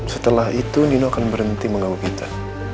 setelah itu nino akan berhenti mengawal kita